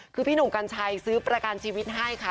คือพี่หนุ่มกัญชัยซื้อประกันชีวิตให้ค่ะ